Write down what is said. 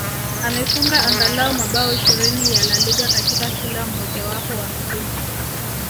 Amefunga angalau mabao ishirini ya La Liga katika kila mmojawapo wa misimu